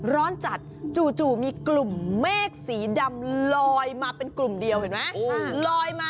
ร้อนจัดจู่มีกลุ่มเมฆสีดำลอยมาเป็นกลุ่มเดียวเห็นไหมลอยมา